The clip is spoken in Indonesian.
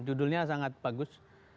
judulnya sangat bagus